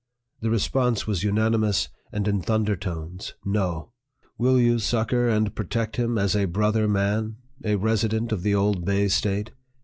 The response was unanimous and in thunder tones " NO !"" Will you succor and protect him as a brother man a resi dent of the old Bay State